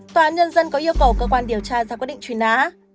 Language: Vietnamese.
tòa nhân dân có yêu cầu cơ quan điều tra ra quyết định trùy ná